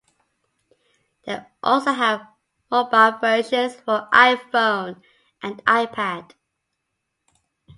They also have mobile versions for iPhone and iPad.